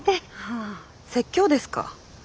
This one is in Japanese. あ説教ですか。